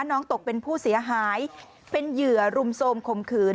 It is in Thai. น้องตกเป็นผู้เสียหายเป็นเหยื่อรุมโทรมข่มขืน